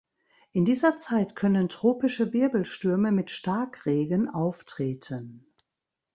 In dieser Zeit können tropische Wirbelstürme mit Starkregen auftreten.